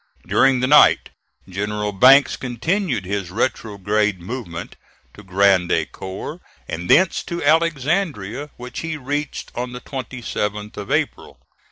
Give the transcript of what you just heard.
During the night, General Banks continued his retrograde movement to Grand Ecore, and thence to Alexandria, which he reached on the 27th of April.